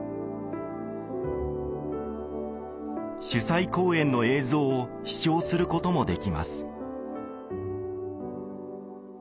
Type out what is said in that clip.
主催公演の映像を視聴することもできます。